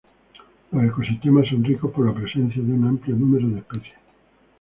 Los ecosistemas son ricos por la presencia de un amplio número de especies.